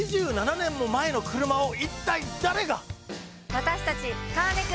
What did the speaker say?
私たち。